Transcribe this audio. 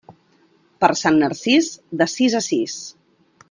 Per Sant Narcís, de sis a sis.